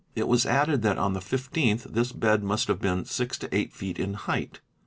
It was added — that on the 15th, this bed must have been 6 to 8 feet in height.